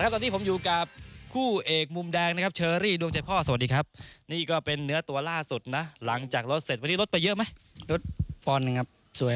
สวัสดีครับนี่ก็เป็นเนื้อตัวล่าสุดนะหลังจากรถเสร็จวันนี้รถไปเยอะไหม